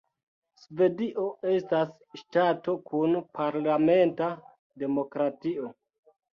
Svedio estas ŝtato kun parlamenta demokratio.